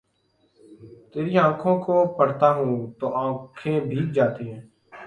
تری آنکھوں کو پڑھتا ہوں تو آنکھیں بھیگ جاتی ہی